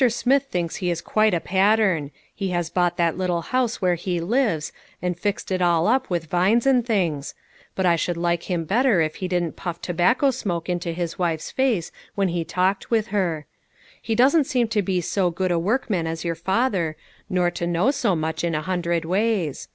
Smith thinks he is quite a pattern ; he has bought that little house where he lives, and fixed it all up with vines and things ; but I should like him better if he didn't puff tobacco smoke into his wife's face when he talked with her. He doesn't begin to be so good a workman as your father, nor to know so much in a hundred ways.